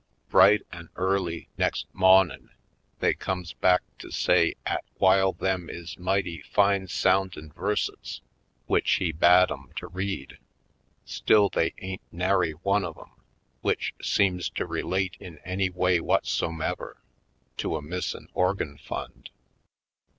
Bright an' early next mawnin' they comes back to say 'at w'ile them is mighty fine soundin' verses w'ich he bade 'em to read, still they ain't nary one of 'em w'ich seems to relate in any way whutsomever to a missin' organ fund.